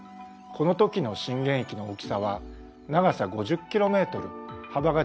この時の震源域の大きさは長さ５０ｋｍ幅が１５ｋｍ。